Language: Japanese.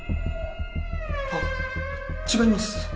あっ違います。